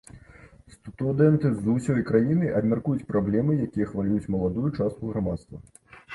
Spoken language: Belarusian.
Студэнты з усёй краіны абмяркуюць праблемы, якія хвалююць маладую частку грамадства.